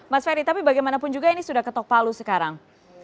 mas ferry tapi bagaimanapun juga ini sudah ketok palu sekarang